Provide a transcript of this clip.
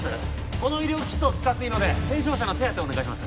この医療キットを使っていいので軽傷者の手当てをお願いします